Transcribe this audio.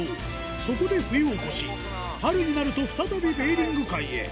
そこで冬を越し、春になると、再びベーリング海へ。